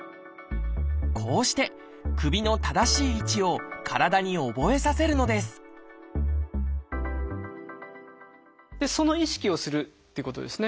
こうして首の正しい位置を体に覚えさせるのですその意識をするっていうことですね。